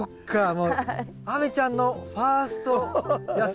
もう亜美ちゃんのファースト野菜。